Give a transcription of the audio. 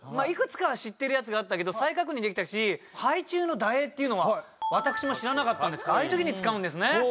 いくつかは知ってるやつがあったけど再確認できたし「杯中の蛇影」っていうのは私も知らなかったんですがああいう時に使うんですね。